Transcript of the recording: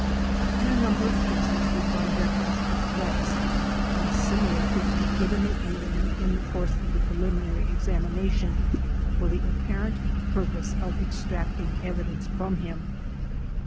In a number of cases we find reference to threats and similar treatment given the alien in the course of the preliminary examination for the apparent purpose of ex tracting evidence from him.